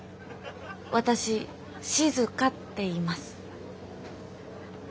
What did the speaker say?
私しずかっていいます。